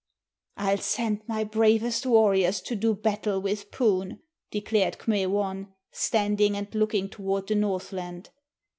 "I'll send my bravest warriors to do battle with Poon," declared K'me wan, standing and looking toward the Northland.